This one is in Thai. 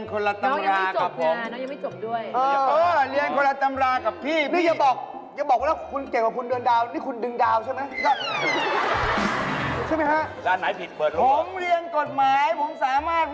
คุณเดือนดาวนี่เรียนคนละตำรากับผมน้องยังไม่จบ